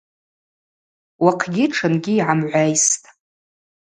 Уахъгьи тшынгьи йгӏамгӏвайстӏ.